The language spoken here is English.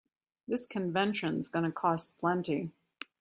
This convention's gonna cost plenty.